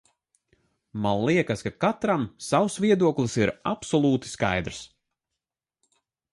Man liekas, ka katram savs viedoklis ir absolūti skaidrs.